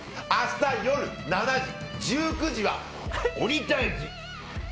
明日夜７時、１９時は「鬼タイジ」